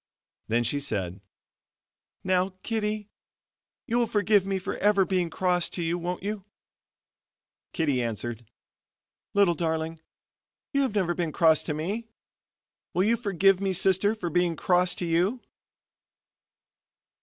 Then she said: "Now, Kittie, you will forgive me for ever being cross to you won't you?" Kittie answered, "Little darling, you have never been cross to me. Will you forgive me, sister, for being cross to you?"